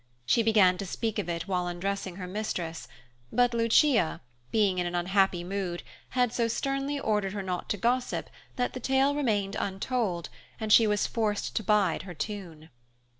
She began to speak of it while undressing her mistress, but Lucia, being in an unhappy mood, had so sternly ordered her not to gossip that the tale remained untold, and she was forced to bide her tune.